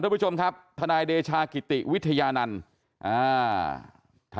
ทุกผู้ชมครับทนายเดชากิติวิทยานันต์อ่า